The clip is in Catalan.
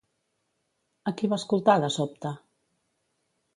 A qui va escoltar de sobte?